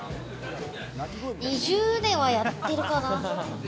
２０年はやってるかな。